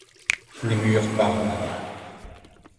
Les murs parlent.